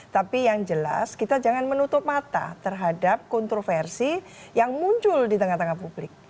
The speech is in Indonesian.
tapi yang jelas kita jangan menutup mata terhadap kontroversi yang muncul di tengah tengah publik